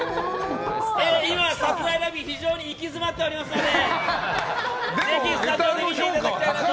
今、さすらいラビー非常に行き詰まっていますのでぜひスタジオで見ていただきたいなと。